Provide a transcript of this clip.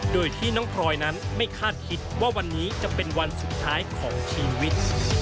โดยที่น้องพลอยนั้นไม่คาดคิดว่าวันนี้จะเป็นวันสุดท้ายของชีวิต